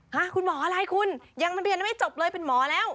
คุณหมออะไรคุณยังมันเรียนไม่จบเลยเป็นหมอแล้ว